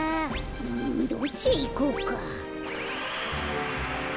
うんどっちへいこうか？